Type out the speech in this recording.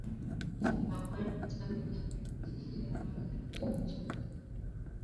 法国安茹家族在西西里王国的统治已宣告结束。